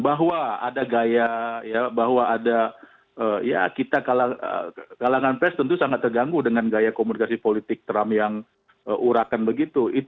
bahwa ada gaya bahwa ada ya kita kalangan pers tentu sangat terganggu dengan gaya komunikasi politik trump yang urakan begitu